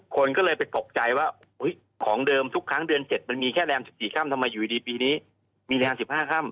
คนก็เลยไปตกใจว่าของเดิมทุกครั้งเดือน๗มันมีแค่แรม๑๔ค่ำทำไมอยู่ดีปีนี้มีแรม๑๕ค่ำ